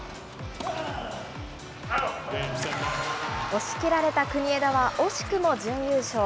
押し切られた国枝は、惜しくも準優勝。